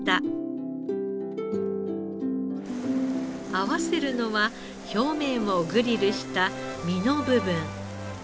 合わせるのは表面をグリルした身の部分。